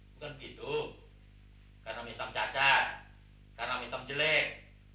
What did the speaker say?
bukan begitu karena mistam cacat karena mistam jelek